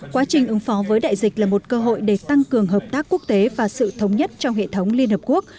quá trình ứng phó với đại dịch là một cơ hội để tăng cường hợp tác quốc tế và sự thống nhất trong hệ thống liên hợp quốc